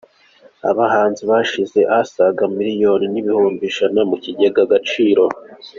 Abahanzi bashyize asaga miliyoni n’ibihumbi ijana mukigega agaciro